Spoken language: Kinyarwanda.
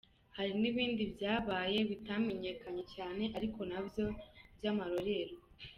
Hari n’ibindi byabaye bitamenyekanye cyane ariko nabyo by’amarorerwa :